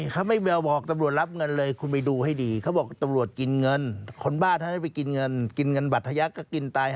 ก็เดี๋ยวก็รู้ฮะก็ตำรวจกำลังสอบสวนอยู่ไง